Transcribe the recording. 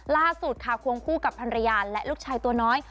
ล่าสุดค่ะควงคู่กับภรรยาและลูกชายตัวน้อย